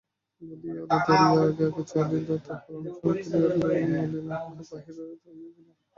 বুধিয়া আলো ধরিয়া আগে আগে চলিল, তাহার অনুসরণ করিয়া নলিনাক্ষ বাহির হইয়া গেল।